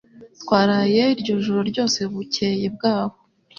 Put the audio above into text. Twaraye iryo joro ryose bukeye bwaho